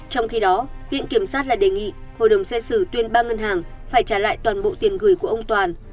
trong khi đó viện kiểm sát lại đề nghị hội đồng xét xử tuyên ba ngân hàng phải trả lại toàn bộ tiền gửi của ông toàn